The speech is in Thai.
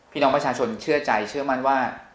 พี่น้องประชาชนเชื่อใจเชื่อมั่นว่า